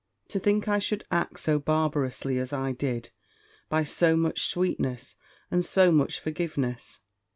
To think I should act so barbarously as I did, by so much sweetness, and so much forgiveness.